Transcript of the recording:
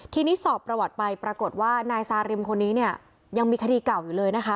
ทีนี้สอบประวัติไปปรากฏว่านายซาริมคนนี้เนี่ยยังมีคดีเก่าอยู่เลยนะคะ